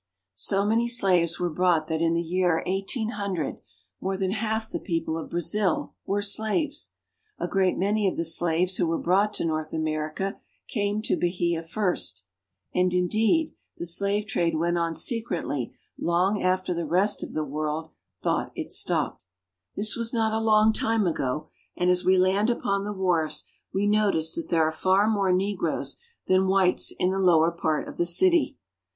So many slaves were brought that in the year 1800 more than half the people of Brazil were slaves. A great many of the slaves who were brought to North America came to Bahia first, and indeed the slave trade went on secretly long after the rest of the world thought it was stopped. Policeman. 286 BRAZIL. This was not a long time ago, and as we land upon the wharves we notice that there are far more negroes than whites in the lower part of the city.